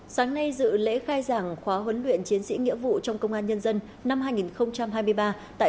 sáng nay dự lễ khai giảng khóa huấn luyện chiến sĩ nghĩa vụ trong công an nhân dân năm hai nghìn hai mươi ba tại